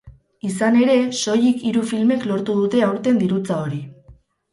Izan ere, soilik hiru filmek lortu dute aurten dirutza hori.